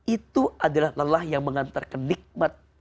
itu adalah lelah yang mengantarkan nikmat